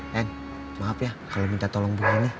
yang maaf ya kalau minta tolong begini